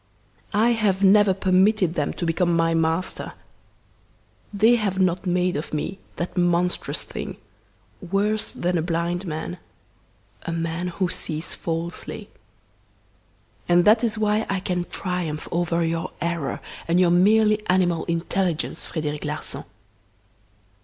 I have never permitted them to become my master. They have not made of me that monstrous thing, worse than a blind man, a man who sees falsely. And that is why I can triumph over your error and your merely animal intelligence, Frederic Larsan.